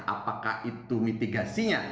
apakah itu mitigasinya